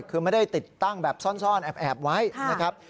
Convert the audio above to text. คือไม่ได้ติดตั้งแบบซ่อนแอบไว้นะครับ